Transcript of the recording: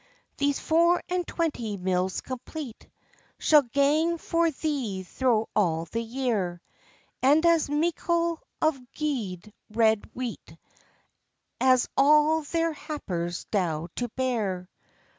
"These four and twenty mills complete, Shall gang for thee thro' all the year; And as meikle of gude red wheat, As all their happers dow to bear."